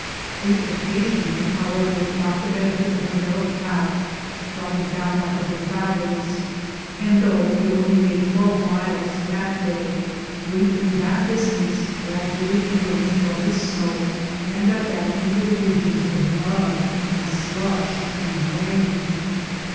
We occasionally, how ever, got the benefit of a narrow path, trodden down by other travelers; and though we only made twelve miles that day, we in that distance gradually emerged from the snow, and got down into the regions of mud and slush and rain.